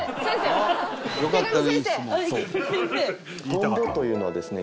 トンボというのはですね